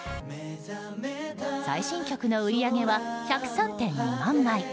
最新曲の売り上げは１０３．２万枚。